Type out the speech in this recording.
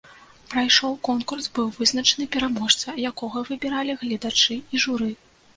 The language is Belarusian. Прайшоў конкурс, быў вызначаны пераможца, якога выбіралі гледачы і журы.